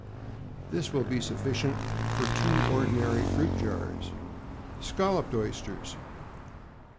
This will be sufficient for two ordinary fruit jars. =Scalloped Oysters.